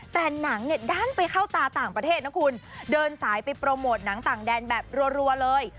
แต่หนังเนี่ยด้านไปเข้าตาต่างประเทศนะคุณเดินสายไปโปรโมทหนังต่างแดนแบบรัวเลย